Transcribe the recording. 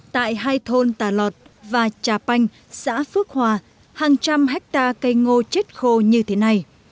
tại hai thôn tà lọt và trà panh xã phước hòa hàng trăm hectare cây ngô chết khô như thế này